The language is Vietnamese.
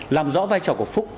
làm rõ vai trò của phúc